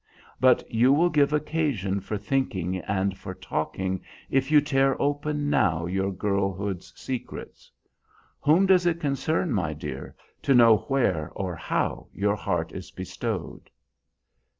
But you will give occasion for thinking and for talking if you tear open now your girlhood's secrets. Whom does it concern, my dear, to know where or how your heart is bestowed?"